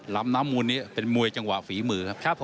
ลำน้ำมูลนี้เป็นมวยจังหวะฝีมือครับ